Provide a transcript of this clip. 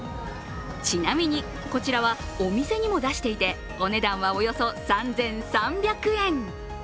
ちなみに、こちらはお店にも出していてお値段はおよそ３３００円。